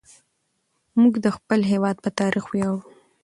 موږ د خپل هېواد په تاريخ وياړو.